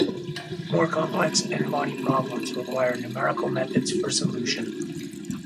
More-complex n-body problems require numerical methods for solution.